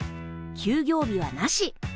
休業日はなし。